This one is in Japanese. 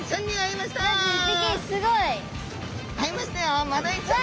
まず１ぴきすごい！会えましたよマダイちゃん。